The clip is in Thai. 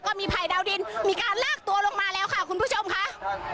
มีภัยดาวดินมีการลากตัวลงมาแล้วค่ะคุณผู้ชมค่ะ